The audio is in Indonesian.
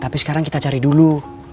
tapi sekarang kita cari dulu